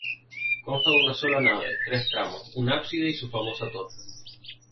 Consta de una sola nave, tres tramos, un ábside y su famosa torre.